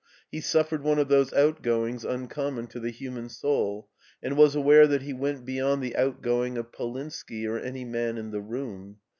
He suffered one of those outgoings uncommon to the human soul, and was aware that he went beyond the outgoing of Polinski or any man in the room.